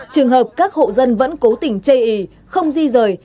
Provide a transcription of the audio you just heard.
trường hợp các hộ dân vẫn cố tình chây ý không di rời